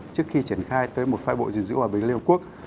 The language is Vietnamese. trước khi triển khai tới một phái bộ giữ dữ của liên hợp quốc